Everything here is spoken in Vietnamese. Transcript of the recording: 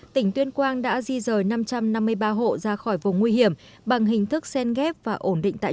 tỉnh tuyên quang đã di rời năm trăm năm mươi ba hộ ra khỏi vùng nguy hiểm bằng hình thức sen ghép và ổn định tại chỗ